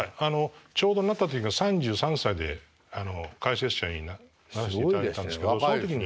ちょうどなった時が３３歳で解説者にしていただいたんですけどその時に。